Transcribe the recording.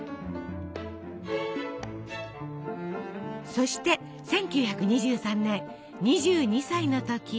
そして１９２３年２２歳の時。